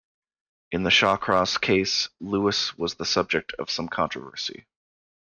In the Shawcross case Lewis was the subject of some controversy.